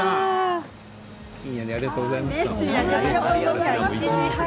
深夜にありがとうございました。